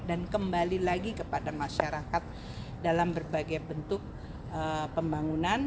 dan kembali lagi kepada masyarakat dalam berbagai bentuk pembangunan